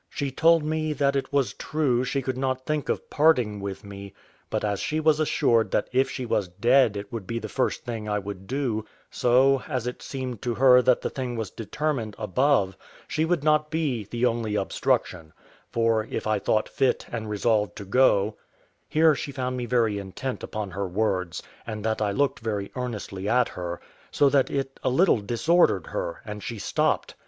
She told me that it was true she could not think of parting with me: but as she was assured that if she was dead it would be the first thing I would do, so, as it seemed to her that the thing was determined above, she would not be the only obstruction; for, if I thought fit and resolved to go [Here she found me very intent upon her words, and that I looked very earnestly at her, so that it a little disordered her, and she stopped.